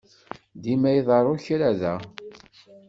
Dima iḍerru kra da.